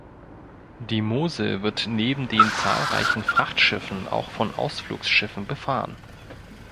Die Mosel wird neben den zahlreichen Frachtschiffen auch von Ausflugsschiffen befahren.